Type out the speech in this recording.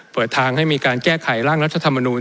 เปิดทางให้มีการแก้ไขร่างรัฐธรรมนูล